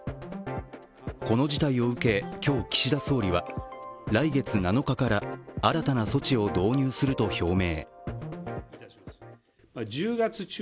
この事態を受け、今日岸田総理は来月７日から新たな措置を導入すると表明。